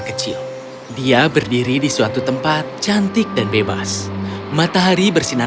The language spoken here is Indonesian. aku benci kalau dia rendah secara harfiah